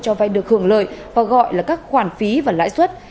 cho vay được hưởng lợi và gọi là các khoản phí và lãi suất